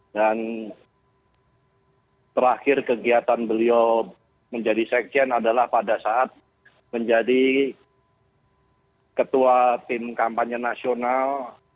dan terakhir kegiatan beliau menjadi sekjen adalah pada saat menjadi ketua tim kampanye nasional